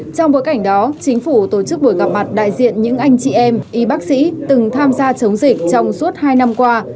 trong bối cảnh đó chính phủ tổ chức buổi gặp mặt đại diện những anh chị em y bác sĩ từng tham gia chống dịch trong suốt hai năm qua